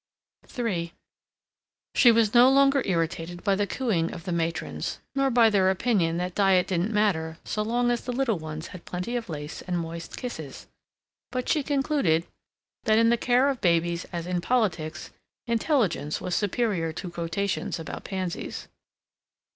III She was no longer irritated by the cooing of the matrons, nor by their opinion that diet didn't matter so long as the Little Ones had plenty of lace and moist kisses, but she concluded that in the care of babies as in politics, intelligence was superior to quotations about pansies.